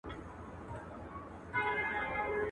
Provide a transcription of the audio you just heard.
سپين لاسونه د ساقي به چيري وېشي.